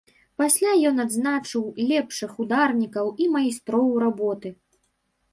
Пасля ён адзначыў лепшых ударнікаў і майстроў работы.